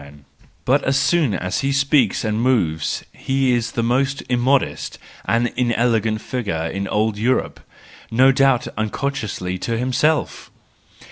But as soon as he speaks and moves he is the most immodest and inelegant figure in old Europe — no doubt unconsciously to himself!